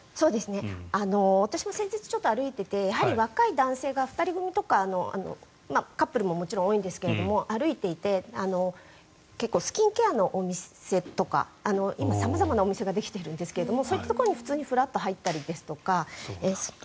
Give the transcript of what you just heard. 私も先日ちょっと歩いていて若い男性が２人組とかカップルももちろん多いんですが歩いていて結構スキンケアのお店とか今、様々なお店ができているんですがそういったところに普通にふらっと入ったりとか。